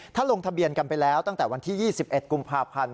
ถ้าลงทะเบียนกันไปแล้วตั้งแต่วันที่๒๑กุมภาพันธ์